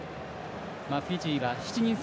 フィジーは７人制